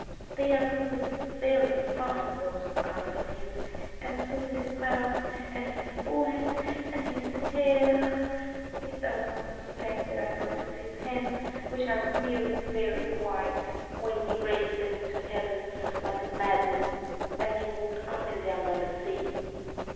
They are really very fine, those eyes of his, and so is his mouth, and his forehead and his hair. He does not suspect that I noticed his hands, which are really very white, when he raised them to heaven, like a madman, as he walked up and down by the sea.